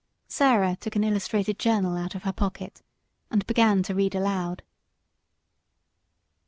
Sarah took an illustrated journal out of her pocket and began to read aloud.